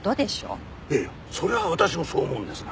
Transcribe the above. いやいやそれは私もそう思うんですが。